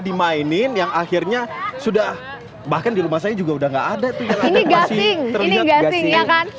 dimainin yang akhirnya sudah bahkan di rumah saya juga udah enggak ada ini gasing ini gasing ya kan